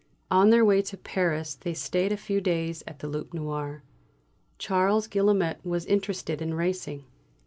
On their way to Paris they stayed a few days at the "Loup Noir"; Charles Guillaumet was interested in racing.